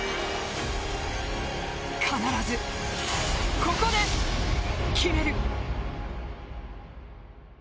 必ずココで、決める！